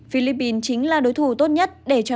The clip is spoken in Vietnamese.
philippines chính là đối thủ tốt nhất để cho